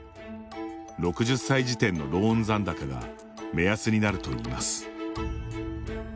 ６０歳時点のローン残高が目安になるといいます。